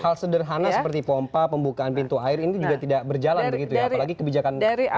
hal sederhana seperti pompa pembukaan pintu air ini juga tidak berjalan begitu ya apalagi kebijakan